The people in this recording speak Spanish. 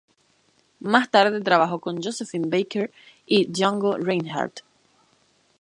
Más tarde trabajó con Josephine Baker y Django Reinhardt.